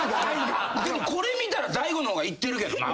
でもこれ見たら大悟の方がいってるけどな。